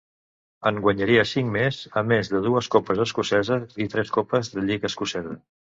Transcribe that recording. En guanyaria cinc més, a més de dues copes escoceses i tres copes de lliga escocesa.